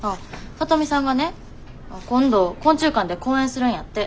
聡美さんがね今度昆虫館で講演するんやって。